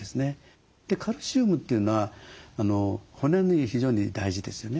カルシウムというのは骨に非常に大事ですよね。